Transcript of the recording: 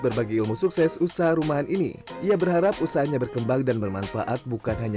berbagi ilmu sukses usaha rumahan ini ia berharap usahanya berkembang dan bermanfaat bukan hanya